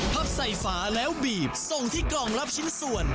พับใส่ฝาแล้วบีบส่งที่กล่องรับชิ้นส่วน